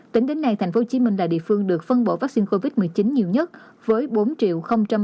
tính đến nay tp hcm là địa phương được phân bổ vaccine covid một mươi chín nhiều nhất với bốn bảy mươi năm hai trăm bảy mươi liều